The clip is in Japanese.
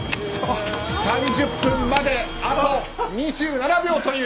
３０分まであと２７秒という。